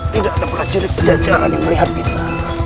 tidak ada pun cerita jajaran yang melihat kita